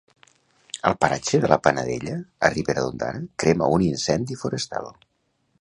Al paratge de la Panadella, a Ribera d'Ondara, crema un incendi forestal.